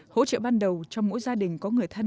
hỗ trợ ban đầu cho mỗi gia đình có người thân